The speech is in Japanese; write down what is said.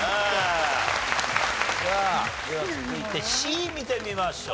さあでは続いてＣ見てみましょう。